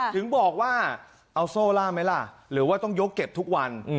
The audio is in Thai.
ถึงบอกว่าเอาโซ่ล่าไหมล่ะหรือว่าต้องยกเก็บทุกวัน